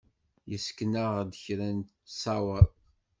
Yessken-aɣ-d kra n ttṣawer.